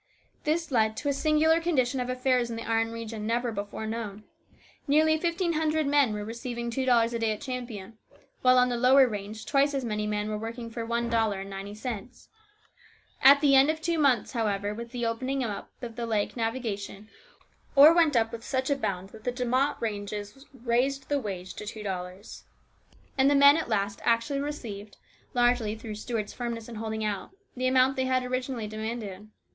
This led to a singular condition of affairs in the iron region, never before known. Nearly fifteen hundred men were receiving two dollars a day at Champion, while on the lower range twice as many men were working for one dollar and ninety cents. At the end of two months, however, with the opening up of the lake navigation, ore went up with such a bound that De Mott ranges advanced wages to two doHars, and the men at last actually received, largely through Stuart's firm ness in holding out, the amount they had originally demanded.